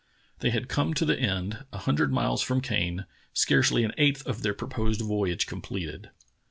They had come to the end, a hundred miles from Kane — scarcely an eighth of their proposed voyage completed.